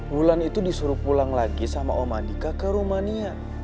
wulan itu disuruh pulang lagi sama om andika ke rumania